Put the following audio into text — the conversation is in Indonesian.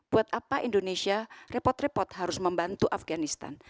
buat apa indonesia repot repot harus membantu afganistan